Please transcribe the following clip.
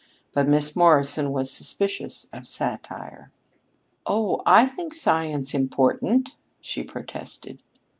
But Miss Morrison was suspicious of satire. "Oh, I think science important!" she protested.